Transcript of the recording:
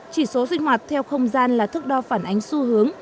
chỉ số sinh hoạt theo không gian là thức đo phản ánh xu hướng